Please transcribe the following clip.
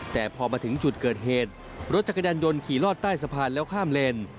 แต่พอมาถึงจุดเกิดเหตุรถจักรยานยนต์ขี่ลอดใต้สะพานแล้วข้ามเลน